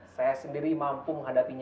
saya sendiri mampu menghadapinya